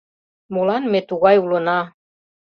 Молан ме тугай улына?..